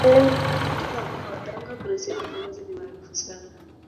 Katika mkoa wa Tanga kuna sehemu ambazo ni maarufu sana